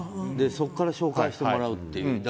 そこから紹介してもらうっていう。